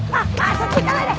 そっち行かないで！